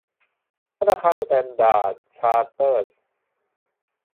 ธนาคารสแตนดาร์ดชาร์เตอร์ด